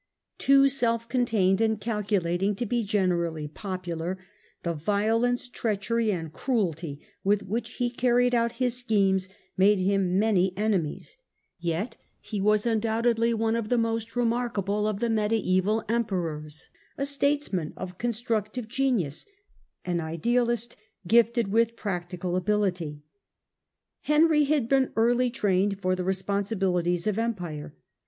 Too self contained and calcu lating to be generally popular, the violence, treachery, and cruelty with which he carried out his schemes, made him many enemies, yet he was undoubtedly one of the most remarkable of the mediaeval Emperors, a statesman of constructive genius, an idealist gifted with practical ability. Henry had been early trained for the responsibilities of Empire.